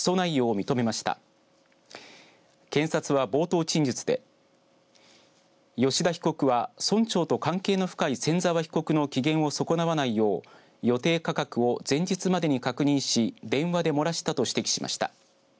警察検察は冒頭陳述で吉田被告は村長と関係の深い千澤被告の機嫌を損なわないよう予定価格を前日までに確認し電話で漏らしたと指摘しました。